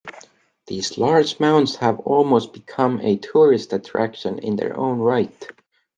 These large mounds have almost become a tourist attraction in their own right.